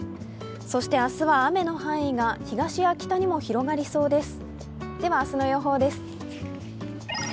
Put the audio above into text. そして明日は雨の範囲が東や北にも広がりそうです。